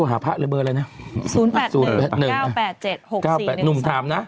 ๙๘๗๖๔๑๒หนุ่มถามนะ